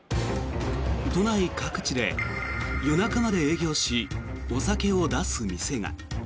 都内各地で夜中まで営業しお酒を出す店が。